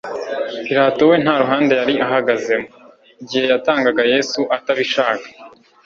Pilato we nta ruhande yari ahagazemo. Igihe yatangaga Yesu atabishaka,